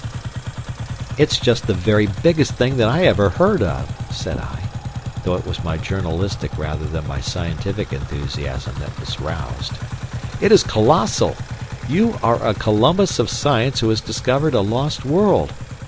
"It's just the very biggest thing that I ever heard of!" said I, though it was my journalistic rather than my scientific enthusiasm that was roused. "It is colossal. You are a Columbus of science who has discovered a lost world.